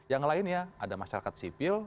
yang lainnya ada masyarakat sipil